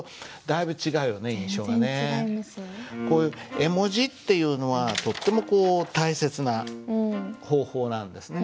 こういう絵文字っていうのはとっても大切な方法なんですね。